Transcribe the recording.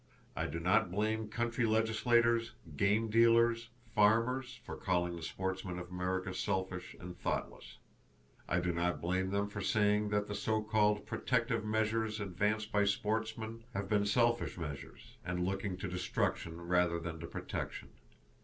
I do not blame country legislators, game dealers, farmers, for calling the sportsmen of America selfish and thoughtless. I do not blame them for saying that the so called protective measures advanced by sportsmen have been selfish measures, and looking to destruction rather than to protection.